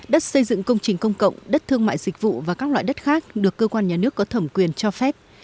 đất xây dựng công trình công cộng đất thương mại dịch vụ và các loại đất khác được cơ quan nhà nước có thẩm quyền cho phép